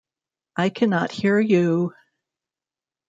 I cannot hear you!